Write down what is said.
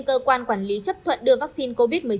cơ quan quản lý chấp thuận đưa vaccine covid một mươi chín